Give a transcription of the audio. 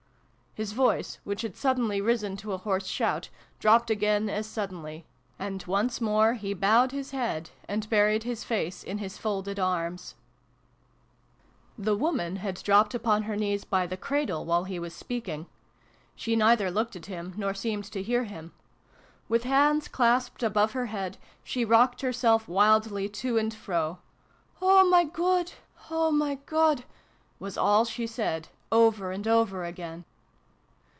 His voice, which had suddenly risen to a hoarse shout, dropped again as suddenly : and once more he bowed his head, and buried his face in his folded arms. 88 SYLVIE AND BRUNO CONCLUDED. vi] WILLIE'S WIFE. 89 The woman had dropped upon her knees by the cradle, while he was speaking. She neither looked at him nor seemed to hear him. With hands clasped above her head, she rocked her self wildly to and fro. " Oh my God ! Oh my God !" was all she said, over and over again.